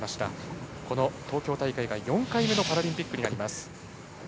この東京大会が４回目のパラリンピックになります。